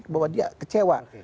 bahwa dia kecewa